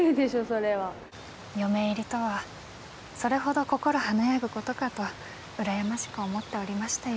それは嫁入りとはそれほど心華やぐことかと羨ましく思っておりました